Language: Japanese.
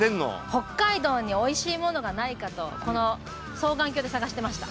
北海道においしいものがないかとこの双眼鏡で探してました。